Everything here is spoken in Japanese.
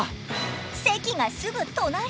席がすぐ隣！